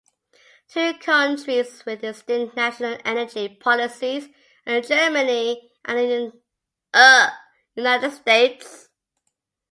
Two countries with distinct national energy policies are Germany and the United States.